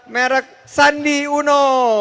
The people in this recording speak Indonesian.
merek sandi uno